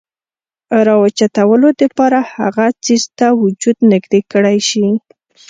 راوچتولو د پاره هغه څيز ته وجود نزدې کړے شي ،